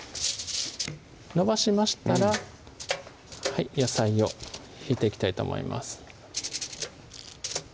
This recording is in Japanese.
伸ばしましたら野菜をひいていきたいと思います